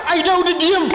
aida udah diem